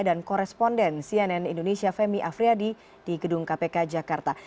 dan koresponden cnn indonesia femi afriyadi di gedung kpk jakarta